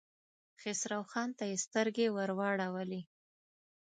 خسرو خان ته يې سترګې ور واړولې.